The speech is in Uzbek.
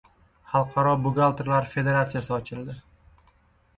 Xalqaro buxgalterlar federatsiyasi ochildi